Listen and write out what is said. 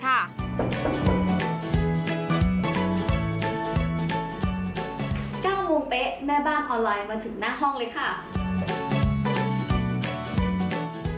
๙โมงเป๊ะแม่บ้านออนไลน์มาถึงหน้าห้องเลยค่ะ